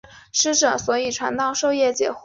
这是一座希腊复兴建筑。